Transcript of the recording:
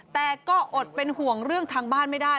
แต่ก็อดเป็นห่วงเรื่องทางบ้านไม่ได้